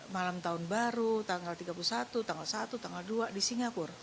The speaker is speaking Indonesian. malam tahun baru tanggal tiga puluh satu tanggal satu tanggal dua di singapura